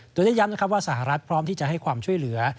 โดยได้ย้ำนะครับว่าสหรัฐพร้อมที่จะให้ความช่วยเหลือ